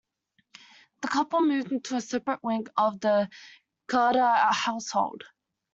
The couple moved into a separate wing of the Khadr household.